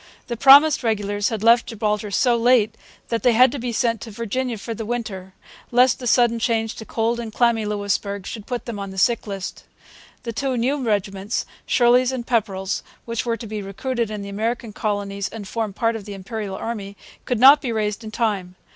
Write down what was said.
The promised regulars had left Gibraltar so late that they had to be sent to Virginia for the winter, lest the sudden change to cold and clammy Louisbourg should put them on the sick list. The two new regiments, Shirley's and Pepperrell's, which were to be recruited in the American colonies and form part of the Imperial Army, could not be raised in time.